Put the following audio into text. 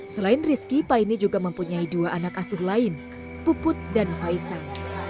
selain rizky paine juga mempunyai dua anak asuh lain puput dan faisal